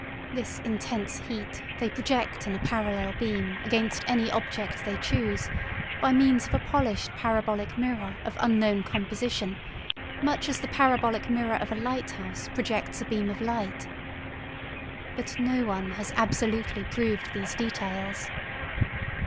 This intense heat they project in a parallel beam against any object they choose, by means of a polished parabolic mirror of unknown composition, much as the parabolic mirror of a lighthouse projects a beam of light. But no one has absolutely proved these details.